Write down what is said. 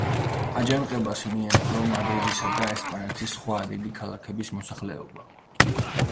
აჯანყებას მიემხრო მადრიდისა და ესპანეთის სხვა დიდი ქალაქების მოსახლეობა.